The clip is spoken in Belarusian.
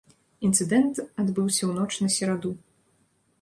Інцыдэнт адбыўся ў ноч на сераду.